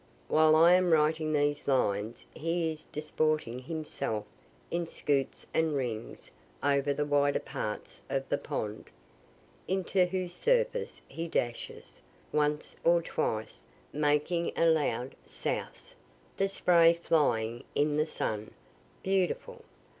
While I am writing these lines he is disporting himself in scoots and rings over the wider parts of the pond, into whose surface he dashes, once or twice making a loud souse the spray flying in the sun beautiful!